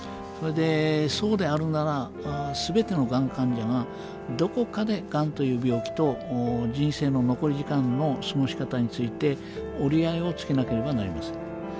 そうであるならすべてのがん患者がどこかでがんという病気と人生の残り時間の過ごし方について折り合いをつけなければなりません。